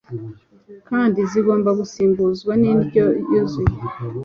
kandi zigomba gusimbuzwa nindyo yuzuye